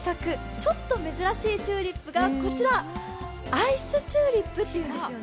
ちょっと珍しいチューリップがこちら、アイスチューリップっていうんですよね。